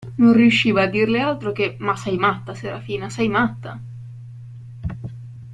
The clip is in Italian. Non riusciva a dirle altro che: – Ma sei matta, Serafina, sei matta!